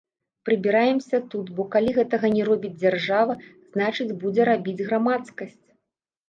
Прыбіраемся тут, бо калі гэтага не робіць дзяржава, значыць будзе рабіць грамадскасць.